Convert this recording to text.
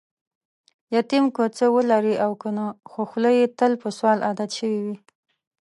یتیم که څه ولري او کنه، خوخوله یې تل په سوال عادت شوې وي.